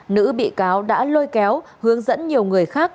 nữ bị cáo đã lôi kéo hướng dẫn nhiều người khác